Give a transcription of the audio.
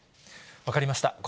分かりました。